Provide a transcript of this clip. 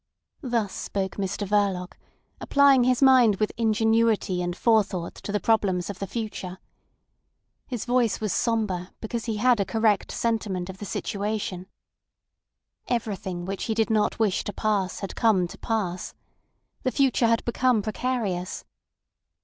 Thus spoke Mr Verloc, applying his mind with ingenuity and forethought to the problems of the future. His voice was sombre, because he had a correct sentiment of the situation. Everything which he did not wish to pass had come to pass. The future had become precarious.